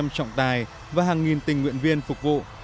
hai hai trăm linh trọng tài và hàng nghìn tình nguyện viên phục vụ